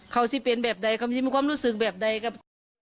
เขาสิเป็นแบบใดเขาจะมีความรู้สึกแบบใดกับเขา